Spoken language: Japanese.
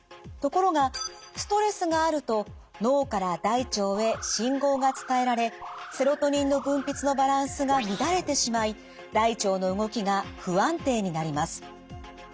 ところがストレスがあると脳から大腸へ信号が伝えられセロトニンの分泌のバランスが乱れてしまい大腸の動きが不安定になります。